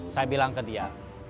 saya bilang ke dia